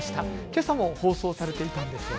けさも放送されていたんです。